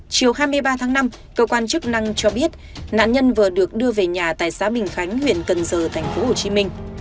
chiều hai mươi ba tháng năm cơ quan chức năng cho biết nạn nhân vừa được đưa về nhà tại xã bình khánh huyện cần giờ thành phố hồ chí minh